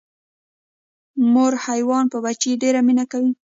مور حیوان په بچي ډیره مینه کوي